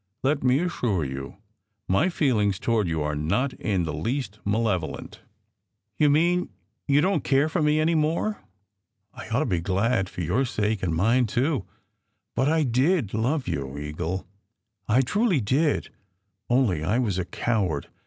Let me assure you, my feelings toward you are not in the least malevolent." "You mean you don t care for me any more? I ought to be glad, for your sake and mine, too. But I did love you, Eagle. I truly did, only I was a coward.